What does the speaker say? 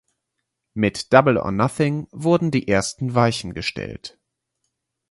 Mit Double or Nothing wurden die ersten Weichen gestellt.